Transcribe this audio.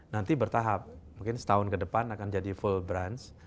nanti bertahap mungkin setahun ke depan akan jadi full branch